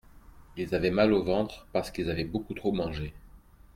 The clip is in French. Ils avaient mal au ventre parce qu'ils avaient beaucoup trop mangé.